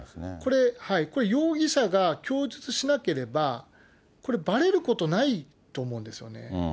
これ、容疑者が供述しなければ、これ、ばれることないと思うんですよね。